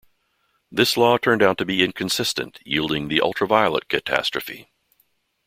This law turned out to be inconsistent yielding the ultraviolet catastrophe.